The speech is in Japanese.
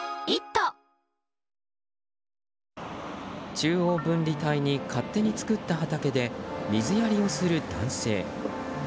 中央分離帯に勝手に作った畑で水やりをする男性。